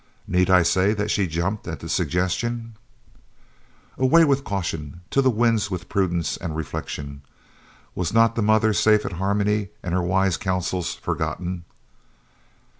Need I say that she jumped at the suggestion? Away with caution, to the winds with prudence and reflection! Was not the mother safe at Harmony and her wise counsels forgotten?